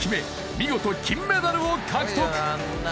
見事金メダルを獲得！